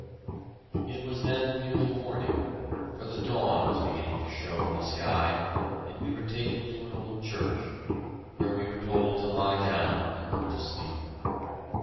It was then nearly morning, for the dawn was beginning to show in the sky, and we were taken to an old church, where we were told to lie down and go to sleep.